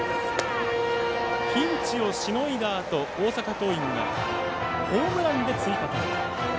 ピンチをしのいだあと大阪桐蔭が、ホームランで追加点。